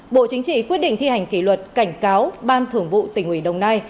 bộ chính trị quyết định thi hành kỷ luật cảnh cáo ban thưởng vụ tỉnh ủy đồng nai